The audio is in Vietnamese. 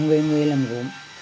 người người làm gốm